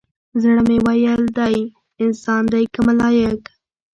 زړه مې ويل دى انسان دى كه ملايك؟